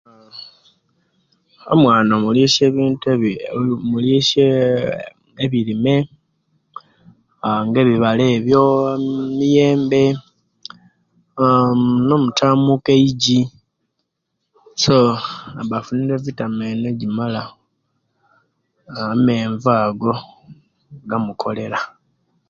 Omwana omulisya ebintu aaa omulisya ebirime, aaa nebibala ebiyo emiyembe, aaa nomutamuku eiji so aba afunire evitamin ejimala amenvu ago gamukolera